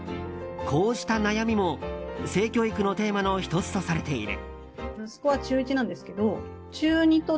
こうした悩みも性教育のテーマの１つとされている。